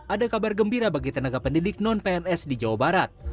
ada kabar gembira bagi tenaga pendidik non pns di jawa barat